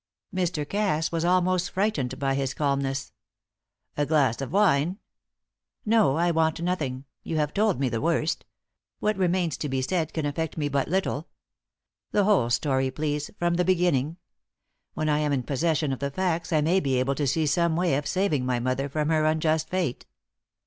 Mr. Cass was almost frightened by his calmness. "A glass of wine " "No. I want nothing. You have told me the worst. What remains to be said can affect me but little. The whole story, please, from the beginning. When I am in possession of the facts I may be able to see some way of saving my mother from her unjust fate."